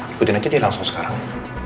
ikutin aja dia langsung sekarang